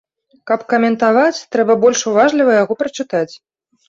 Каб каментаваць, трэба больш уважліва яго прачытаць.